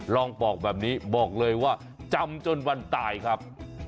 ลองบอกแบบนี้บอกเลยว่าจำจนวันตายครับ